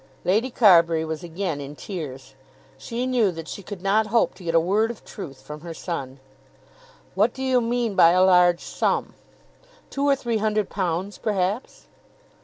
Lady Carbury was again in tears. She knew that she could not hope to get a word of truth from her son. "What do you mean by a large sum?" "Two or three hundred pounds, perhaps."